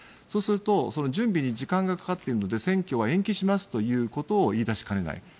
そうすると準備に時間がかかっているので選挙は延期しますということを言い出しかねない。